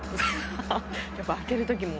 やっぱ開けるときも。